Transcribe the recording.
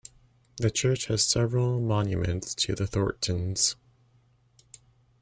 The church has several monuments to the Thorntons.